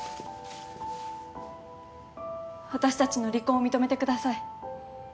私たちの離婚を認めてください。